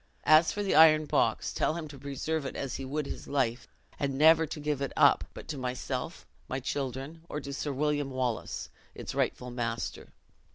As for the iron box, tell him to preserve it as he would his life; and never to give it up, but to myself, my children, or to Sir William Wallace, it's rightful master.'"